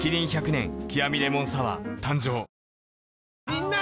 みんな！